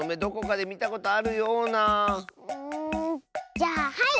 じゃあはい！